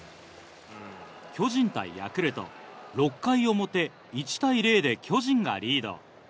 巨人対ヤクルト６回表１対０で巨人がリード。